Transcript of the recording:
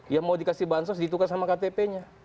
ya mau dikasih bansos ditukar sama ktp nya